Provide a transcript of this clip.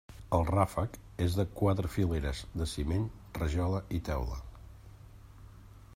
El ràfec és de quatre fileres de ciment, rajola i teula.